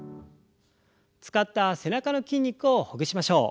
使った背中の筋肉をほぐしましょう。